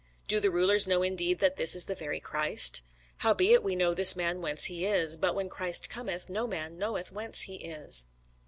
Do the rulers know indeed that this is the very Christ? Howbeit we know this man whence he is: but when Christ cometh, no man knoweth whence he is.